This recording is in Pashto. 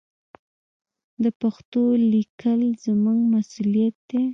د پښتو لیکل زموږ مسوولیت دی.